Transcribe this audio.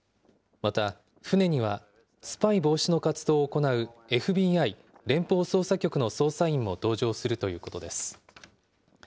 また、船にはスパイ防止の活動を行うＦＢＩ・連邦捜査局の捜査員も同乗するということです。